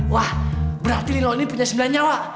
wah berarti lilau ini punya sembilan nyawa